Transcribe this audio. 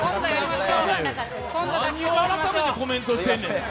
何を改めてコメントしてんねん。